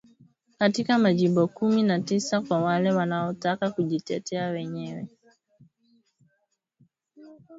katika majimbo kumi na tisa kwa wale wanaotaka kujitetea wenyewe